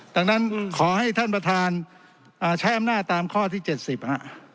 ดังนั้นขอให้ท่านประธานอ่าแช่มหน้าตามข้อที่เจ็ดสิบฮะ